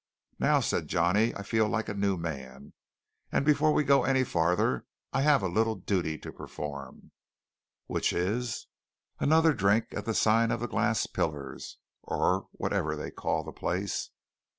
"Now," said Johnny, "I feel like a new man. And before we go any farther I have a little duty to perform." "Which is?" "Another drink at the sign of the Glass Pillars, or whatever they call the place."